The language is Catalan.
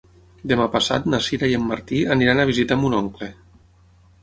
Demà passat na Sira i en Martí aniran a visitar mon oncle.